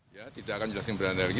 ya tidak akan jelasin beranak beranak